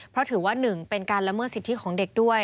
เพราะถือว่าหนึ่งเป็นการละเมิดสิทธิของเด็กด้วย